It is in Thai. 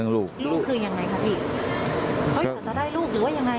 ลูกลูกคือยังไงคะพี่เขาอยากจะได้ลูกหรือว่ายังไง